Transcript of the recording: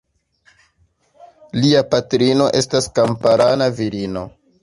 Lia patrino estas kamparana virino.